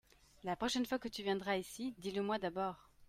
La prochaine fois que tu viendras ici, dis le mois d'abord.